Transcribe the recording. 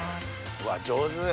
うわ上手！